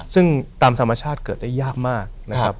ซึ่งตามธรรมชาติเกิดได้ยากมากนะครับ